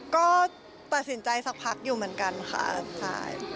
ก็ตัดสินใจสักพักอยู่เหมือนกันค่ะใช่